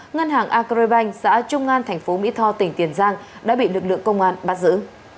ngân hàng agribank xã trung an thành phố mỹ tho tỉnh tiền giang đã bị lực lượng công an bắt giữ